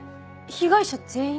被害者全員？